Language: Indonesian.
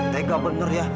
tegak benar ya